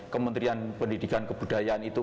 kementerian pendidikan kebudayaan itu